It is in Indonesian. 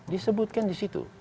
disebutkan di situ